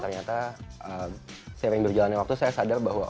ternyata seiring berjalannya waktu saya sadar bahwa